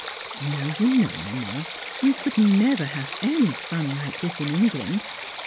Now you know, Mamma, we could never have any fun like this in England.